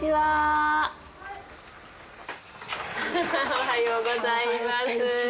おはようございます。